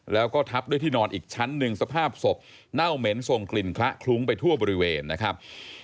แล้วก็ทับด้วยที่นอนอีกชั้นหนึ่งสภาพศพเน่าเหม็นส่งกลิ่นคละคลุ้งไปทั่วบริเวณนะครับ